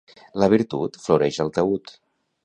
La virtut floreix al taüt.